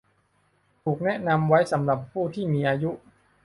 ถูกแนะนำไว้สำหรับผู้ที่มีอายุ